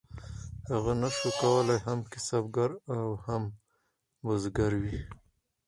هغه نشو کولی هم کسبګر او هم بزګر وي.